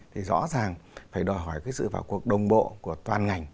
thì rõ ràng phải đòi hỏi cái sự vào cuộc đồng bộ của toàn ngành